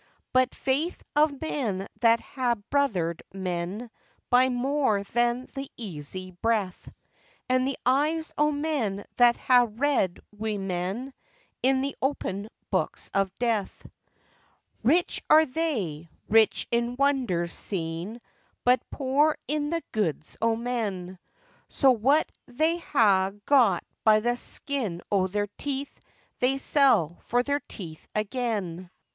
But the faith of men that ha' brothered men By more than the easy breath, And the eyes o' men that ha' read wi' men In the open books of death. Rich are they, rich in wonders seen, But poor in the goods o' men, So what they ha' got by the skin o' their teeth They sell for their teeth again.